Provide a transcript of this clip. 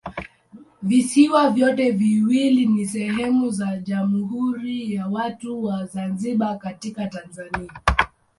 Visiwa vyote viwili ni sehemu za Jamhuri ya Watu wa Zanzibar katika Tanzania.